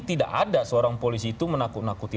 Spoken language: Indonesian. tidak ada seorang polisi itu menakut nakuti